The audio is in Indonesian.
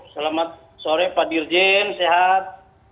selamat sore pak dirjen sehat